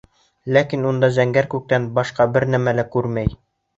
Ләкин унда зәңгәр күктән башҡа бер нәмә лә күрмәй.